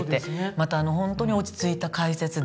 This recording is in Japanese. またホントに落ち着いた解説で。